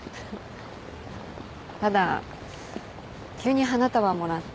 ただ急に花束もらって。